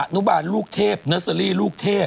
นุบาลลูกเทพเนอร์เซอรี่ลูกเทพ